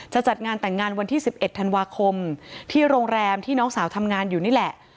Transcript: จัดงานแต่งงานวันที่๑๑ธันวาคมที่โรงแรมที่น้องสาวทำงานอยู่นี่แหละ